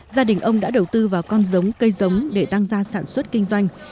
gia đình ông đã đầu tư vào con giống cây giống để tăng ra sản xuất kinh doanh